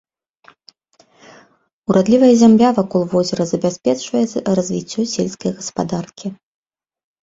Урадлівая зямля вакол возера забяспечвае развіццё сельскай гаспадаркі.